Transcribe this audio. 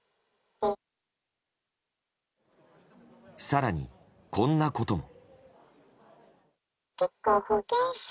更に、こんなことも。